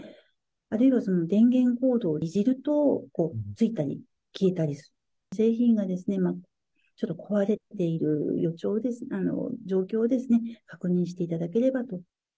あるいは電源コードをいじると、ついたり消えたりする、製品がちょっと壊れている予兆、状況を確認していただければと。